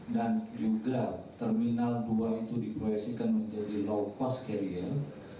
dan juga terminal buah itu diproyeksikan menjadi low cost carrier